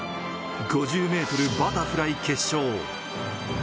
５０ｍバタフライ決勝。